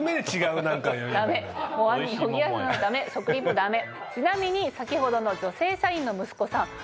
ちなみに先ほどの女性社員の息子さん